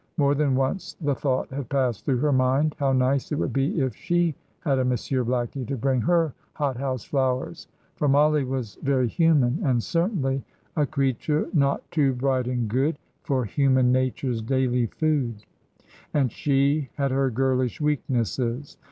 More than once the thought had passed through her mind how nice it would be if she had a Monsieur Blackie to bring her hot house flowers. For Mollie was very human, and certainly "A creature not too bright and good, For human nature's daily food," and she had her girlish weaknesses.